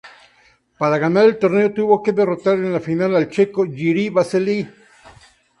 Para ganar el torneo tuvo que derrotar en la final al checo Jiří Veselý.